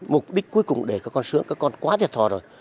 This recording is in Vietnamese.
mục đích cuối cùng để các con sướng các con quá thiệt thò rồi